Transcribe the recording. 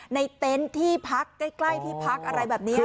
เต็นต์ที่พักใกล้ที่พักอะไรแบบนี้